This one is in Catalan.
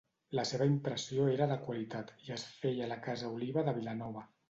La seva impressió era de qualitat i es feia a la casa Oliva de Vilanova.